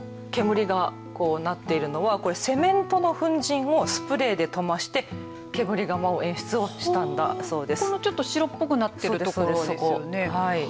こう、煙になっているのはセメントの粉じんをスプレーで醸して煙が舞う演出をしたんだそうです。